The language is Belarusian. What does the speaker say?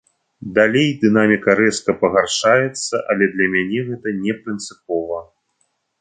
Далей дынаміка рэзка пагаршаецца, але для мяне гэта не прынцыпова.